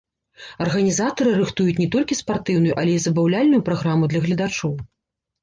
Арганізатары рыхтуюць не толькі спартыўную, але і забаўляльную праграму для гледачоў.